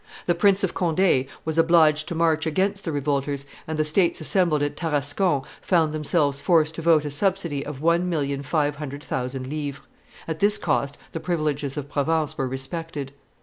The Prince of Conde was obliged to march against the revolters, and the states assembled at Tarascon found themselves forced to vote a subsidy of one million five hundred thousand livres. At this cost the privileges of Provence were respected.